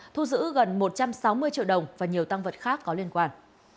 thu giữ gần một trăm sáu mươi triệu đồng và nhiều tăng vật khác có liên quan